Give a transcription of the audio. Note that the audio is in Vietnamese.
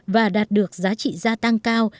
và đạt được giá trị gia tăng cao